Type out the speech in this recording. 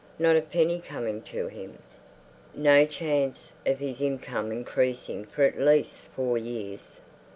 Not a penny coming to him. No chance of his income increasing for at least four years.